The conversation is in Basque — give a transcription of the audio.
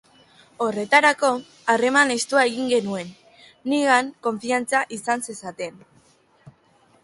Horretarako, harreman estua egin genuen, nigan konfiantza izan zezaten.